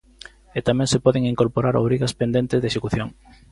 E tamén se poden incorporar obrigas pendentes de execución.